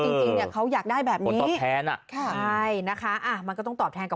เนี้ยเขาอยากได้แบบนี้ตอบแทนน่ะใช่นะคะอ่ะมันก็ต้องตอบแทนกับ